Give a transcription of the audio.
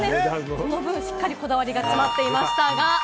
この分、しっかりこだわりが詰まっていましたが。